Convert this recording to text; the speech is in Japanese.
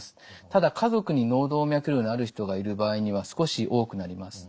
ただ家族に脳動脈瘤のある人がいる場合には少し多くなります。